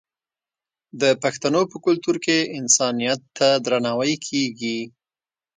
د پښتنو په کلتور کې انسانیت ته درناوی کیږي.